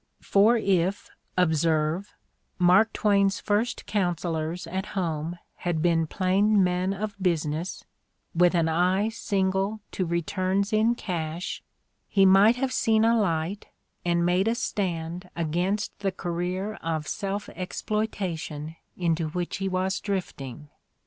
For if, observe, Mark Twain's first counselors at home had been plain men of business, with an eye single to returns in cash, he might have seen a light and made a stand against the career of self exploitation into which he was drifting.